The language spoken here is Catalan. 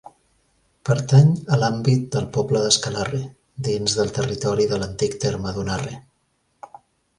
Pertany a l'àmbit del poble d'Escalarre, dins del territori de l'antic terme d'Unarre.